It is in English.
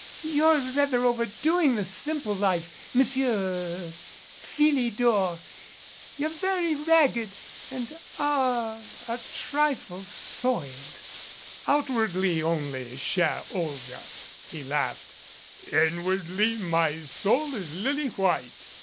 Ugh! You're rather overdoing the simple life, Monsieur er Philidor. You're very ragged and ah a trifle soiled." "Outwardly only, chere Olga," he laughed. "Inwardly my soul is lily white."